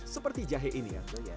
seperti jahe ini